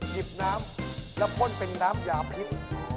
หยิบน้ำแล้วพ่นเป็นน้ำยาพิษ